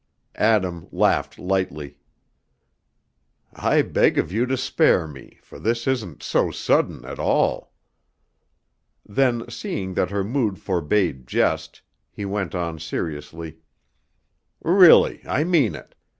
Adam laughed lightly. "I beg of you spare me, for this isn't 'so sudden' at all." Then seeing that her mood forbade jest, he went on seriously: "Really, I mean it.